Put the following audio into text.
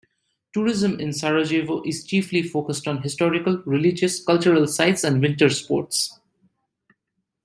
Tourism in Sarajevo is chiefly focused on historical, religious, cultural sites and winter sports.